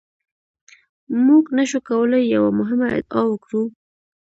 موږ نشو کولای یوه مهمه ادعا وکړو.